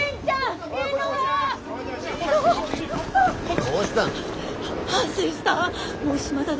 どうしたの。